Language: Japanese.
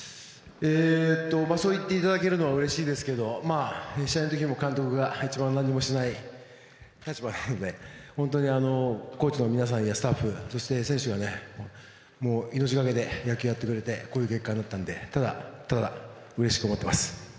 そう言っていただけるのはうれしいですけど、試合的にも監督が一番何もしない立場なので本当にコーチの皆さんやスタッフそして選手が命がけ手野球をやってくれてこういう結果になったのでただただうれしく思っています。